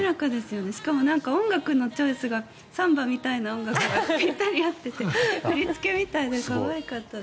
しかも音楽のチョイスがサンバみたいな音楽がぴったり合っていて振り付けみたいで可愛かったです。